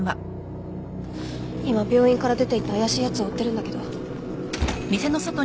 今病院から出ていった怪しいやつを追ってるんだけど。